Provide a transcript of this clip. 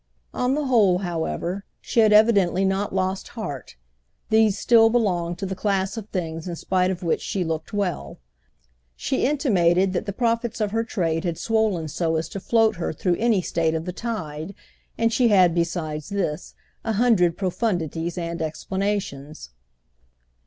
On the whole, however, she had evidently not lost heart; these still belonged to the class of things in spite of which she looked well. She intimated that the profits of her trade had swollen so as to float her through any state of the tide, and she had, besides this, a hundred profundities and explanations.